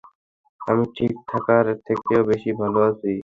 আমি ঠিক থাকার থেকেও বেশী ভালো আছি।